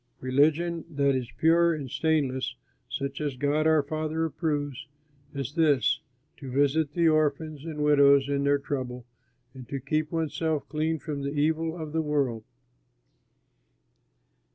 Religion that is pure and stainless, such as God our Father approves is this: to visit the orphans and widows in their trouble and to keep oneself clean from the evil of the world.